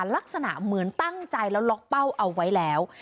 ลักษณะเหมือนตั้งใจแล้วล็อกเป้าเอาไว้แล้ว